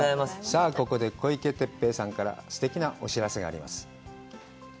さあ、ここで、小池徹平さんからすてきなお知らせがあります。